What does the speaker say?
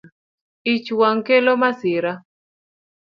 Ich wang’ kelo masira